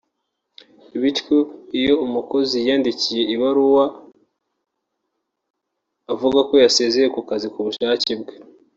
bityo iyo umukozi yiyandikiye ibaruwa avuga ko yasezeye akazi ku bushake bwe